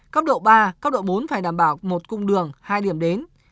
cấp độ ba cấp độ bốn phải đảm bảo một cung đường hai điểm đến